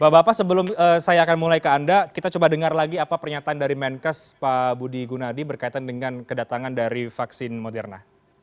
bapak bapak sebelum saya akan mulai ke anda kita coba dengar lagi apa pernyataan dari menkes pak budi gunadi berkaitan dengan kedatangan dari vaksin moderna